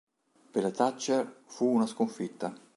Per la Thatcher fu una sconfitta.